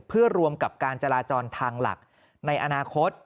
เพื่อรวมกับการจราจรทางหลักในอนาคต